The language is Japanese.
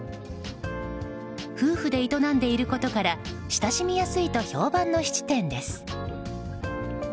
夫婦で営んでいることから親しみやすいと評判の質店です。